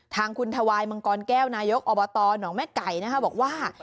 ทางคุณทวายมังกรแก้วนายกอบตหนองแม่ไก่นะคะบอกว่า